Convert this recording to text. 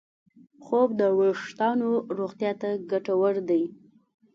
خوب د وېښتیانو روغتیا ته ګټور دی.